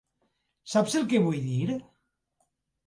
Saps el que vull dir?